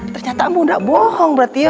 ternyata mu udah bohong berarti ya